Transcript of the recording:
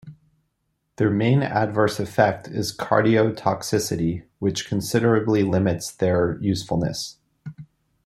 Their main adverse effect is cardiotoxicity, which considerably limits their usefulness.